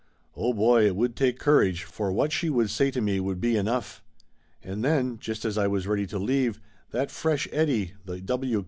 Oh, boy, it would take courage, for what she would say to me would be enough ! And then just as I was ready to leave, that fresh Eddie, the w.